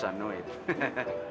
sekarang juga kamu saya pecah